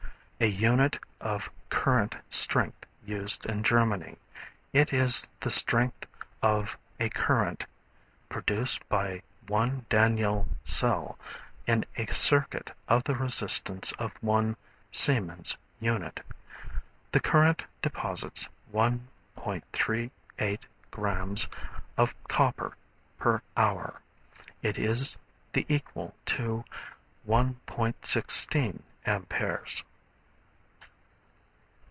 A unit of current strength used in Germany. It is the strength of a current produced by one Daniell cell in a circuit of the resistance of one Siemens' unit. The current deposits 1.38 grams of copper per hour. It is equal to 1.16 amperes.